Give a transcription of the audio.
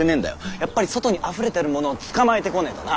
やっぱり外に溢れてるものを捕まえてこねーとな。